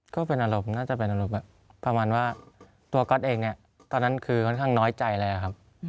ก็เป็นอารมณ์น่าจะเป็นอารมณ์แบบประมาณว่าตัวก๊อตเองเนี่ยตอนนั้นคือค่อนข้างน้อยใจแล้วครับ